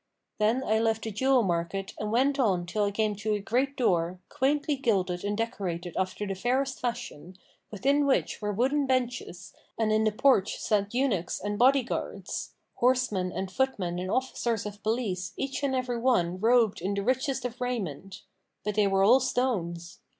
Then I left the jewel market and went on till I came to a great door, quaintly gilded and decorated after the fairest fashion, within which were wooden benches and in the porch sat eunuchs, and body guards; horsemen, and footmen and officers of police each and every robed in the richest of raiment; but they were all stones.